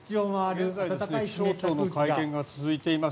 現在気象庁の会見が続いています。